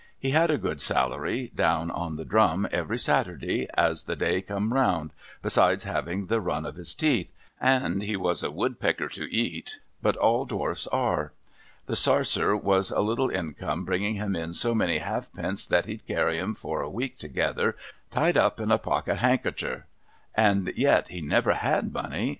He had a good salary, down on tlie drum every Saturday as the day come round, besides having the run of his teeth — and he was a Woodpecker to eat — but all Dwarfs are. The sarser was a little income, bringing him in so many halfpence that he'd carry 'em for a week together, tied up in a pocket handkercher. And yet be never had money.